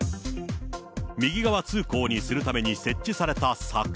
右側通行にするために設置された柵。